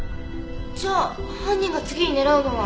じゃあ犯人が次に狙うのは。